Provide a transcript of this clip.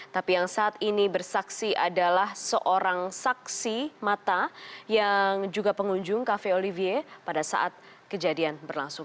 tapi yang saat ini bersaksi adalah seorang saksi mata yang juga pengunjung cafe olivier pada saat kejadian berlangsung